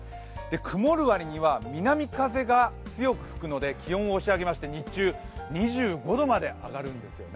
曇る割には南風が強く吹くので気温を押し上げまして日中、２５度まで上がるんですよね。